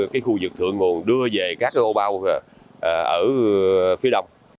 cái khu vực thượng nguồn đưa về các cái ô bao ở phía đông